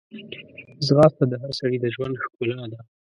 ځغاسته د هر سړي د ژوند ښکلا ده